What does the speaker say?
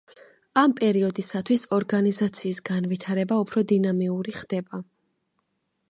ამ პერიოდისათვის ორგანიზაციის განვითარება უფრო დინამიური ხდება.